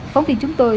phóng viên chúng tôi